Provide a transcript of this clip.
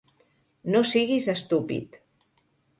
No siguis estúpid.